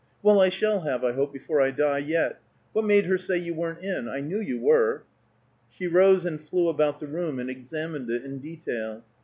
Well, I shall have, I hope, before I die, yet. What made her say you weren't in? I knew you were." She rose and flew about the room, and examined it in detail.